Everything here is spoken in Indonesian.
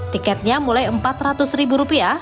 tiketnya mulai empat ratus ribu rupiah